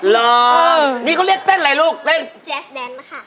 หรอนี่เขาเรียกเต้นอะไรลูกเต้นแจ๊สแดนค่ะ